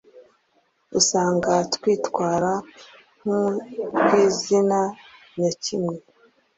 usanga twitwara nk’utw’izina nyakimwe